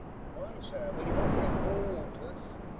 Why, sir, will he not drink of all waters?